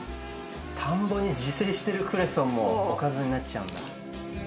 田んぼに自生してるクレソンもおかずになっちゃうんだ。